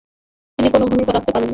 তিনি কোন ভূমিকা রাখতে পারেননি।